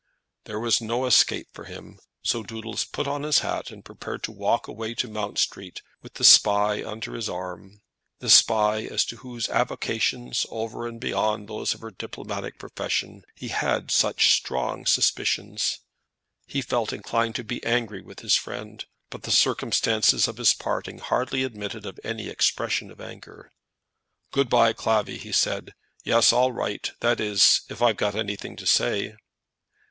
There was no escape for him, so Doodles put on his hat and prepared to walk away to Mount Street with the Spy under his arm, the Spy as to whose avocations, over and beyond those of her diplomatic profession, he had such strong suspicions! He felt inclined to be angry with his friend, but the circumstances of his parting hardly admitted of any expression of anger. "Good by, Clavvy," he said. "Yes; I'll write; that is, if I've got anything to say."